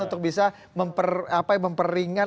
untuk bisa memperingat